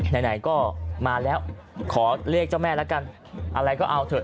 ไหนก็มาแล้วขอเลขเจ้าแม่แล้วกันอะไรก็เอาเถอะ